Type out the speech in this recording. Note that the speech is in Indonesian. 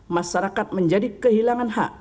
masyarakat menjadi kehilangan hak